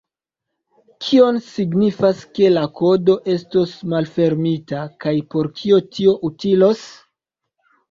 Kion signifas ke la kodo estos malfermita, kaj por kio tio utilos?